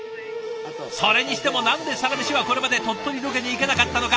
それにしても何で「サラメシ」はこれまで鳥取ロケに行かなかったのか。